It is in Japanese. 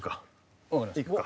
いくか。